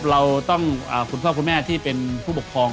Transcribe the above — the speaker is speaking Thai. เราต้องคุณพ่อคุณแม่ที่เป็นผู้ปกครอง